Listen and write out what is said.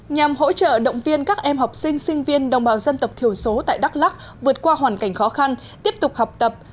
nhằm hỗ trợ động viên các em học sinh sinh viên đồng bào dân tộc thiểu số tại đắk lắc vượt qua hoàn cảnh khó khăn tiếp tục học tập